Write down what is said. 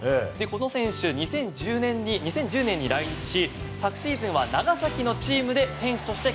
この選手は２０１０年に来日し昨シーズンは長崎のチームで活躍。